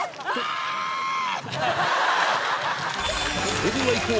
それではいこう！